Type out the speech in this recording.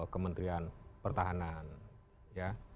kementerian pertahanan ya